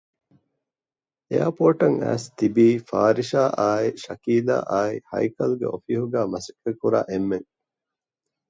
އެއަރޕޯރޓަށް އައިސް ތިބީ ފާރިޝާ އާއި ޝަކީލާ އާއި ހައިކަލްގެ އޮފީހުގައި މަސައްކަތްކުރާ އެންމެން